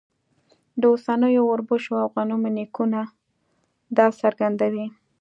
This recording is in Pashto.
د اوسنیو اوربشو او غنمو نیکونه دا څرګندوي.